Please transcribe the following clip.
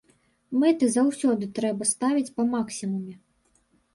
Мэты заўсёды трэба ставіць па максімуме.